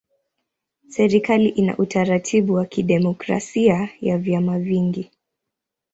Serikali ina utaratibu wa kidemokrasia ya vyama vingi.